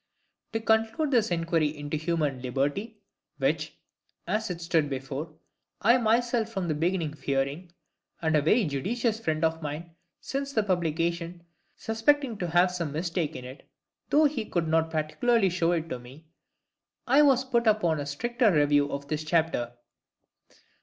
To conclude this inquiry into human liberty, which, as it stood before, I myself from the beginning fearing, and a very judicious friend of mine, since the publication, suspecting to have some mistake in it, though he could not particularly show it me, I was put upon a stricter review of this chapter.